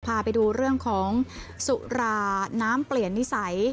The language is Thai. พาไปดูเรื่องของสุราน้ำเปลี่ยนนิสัย